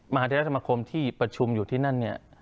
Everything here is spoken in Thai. มหาเทราสมคมที่ประชุมอยู่ที่นั่นเนี่ย